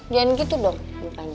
jangan gitu dong bukannya